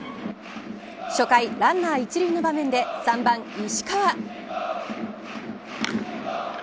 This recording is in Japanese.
初回ランナー一塁の場面で３番石川。